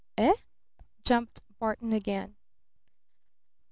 "Eh?" jumped Barton again.